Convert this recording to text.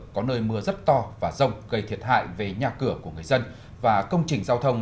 có nơi mưa rất to và rông gây thiệt hại về nhà cửa của người dân và công trình giao thông